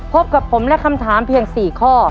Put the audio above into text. พบกับผมและคำถามเพียง๔ข้อ